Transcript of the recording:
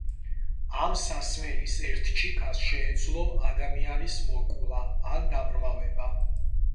ამ სასმელის ერთ ჭიქას შეეძლო ადამიანის მოკვლა ან დაბრმავება.